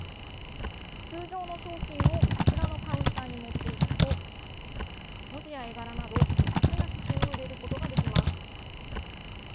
通常の商品をこちらのカウンターに持っていくと文字や絵柄など好きな刺しゅうを入れることができます。